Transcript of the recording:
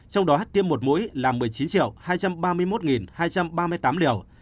trong đó tiêm một mũi là một mươi chín hai trăm ba mươi một hai trăm ba mươi tám liều